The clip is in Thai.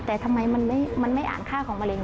แต่ทำไมมันไม่อ่านค่าของมะเร็